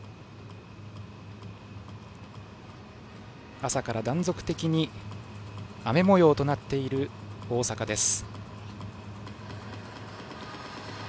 朝から断続的に雨もようとなっている大阪です。